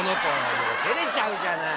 もうてれちゃうじゃない。